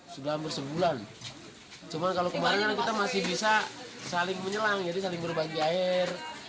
sudah bersebulan cuman kalau kemarin kita masih bisa saling menyelang jadi saling berbagi air